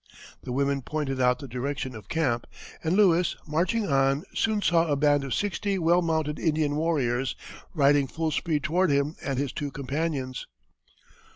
The women pointed out the direction of camp, and Lewis, marching on, soon saw a band of sixty well mounted Indian warriors riding full speed toward him and his two companions.